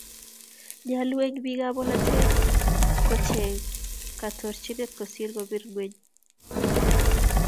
nyooluu eng biikab bolotee kocheny kaatorchinet kosiir kobire ng'weny.